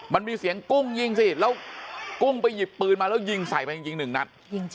มันมีเสียงกุ้งยิงสิแล้วกุ้งไปหยิบปืนมาแล้วยิงใส่ไปจริง๑นัด